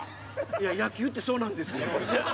野球ってそうなんですよ。